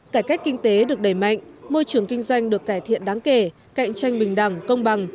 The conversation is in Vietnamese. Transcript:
cải cách kinh tế được đẩy mạnh môi trường kinh doanh được cải thiện đáng kể cạnh tranh bình đẳng công bằng